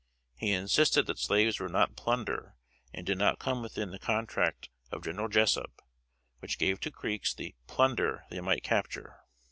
He insisted that slaves were not plunder, and did not come within the contract of General Jessup, which gave to Creeks the "plunder" they might capture.